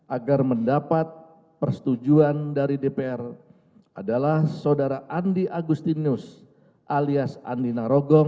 agar mendapat persetujuan dari dpr adalah saudara andi agustinus alias andi narogong